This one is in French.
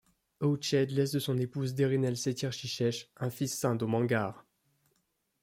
Eochaid laisse de son épouse Derinnell Cethirchichech un fils Saint Domangart.